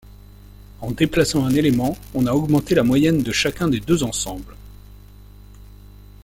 En déplaçant un élément, on a augmenté la moyenne de chacun des deux ensembles.